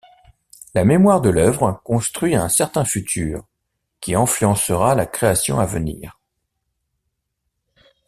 La mémoire de l'œuvre construit un certain futur qui influencera la création à venir.